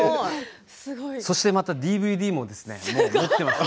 そしてＤＶＤも持っていますね。